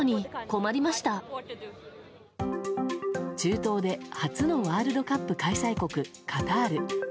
中東で初のワールドカップ開催国カタール。